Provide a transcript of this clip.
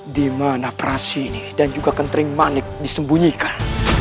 dimana prasini dan juga kentering manik disembunyikan